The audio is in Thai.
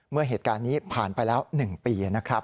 เมื่อเหตุการณ์นี้ผ่านไปแล้ว๑ปีนะครับ